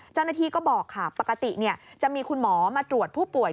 เจ้าหน้าที่ก็บอกค่ะปกติจะมีคุณหมอมาตรวจผู้ป่วย